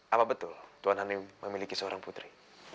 apa betul tuhan hani memiliki seorang putri